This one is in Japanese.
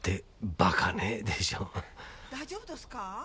大丈夫どすか？